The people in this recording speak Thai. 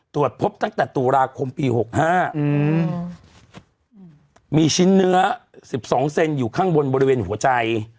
ตรวจพบตั้งแต่ตุลาคมปี๖๕มีชิ้นเนื้อ๑๒เซนอยู่ข้างบนบริเวณหัวใจ